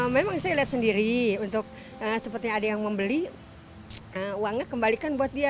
memang saya lihat sendiri untuk seperti ada yang membeli uangnya kembalikan buat dia